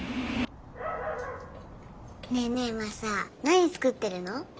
ねえねえマサ何作ってるの？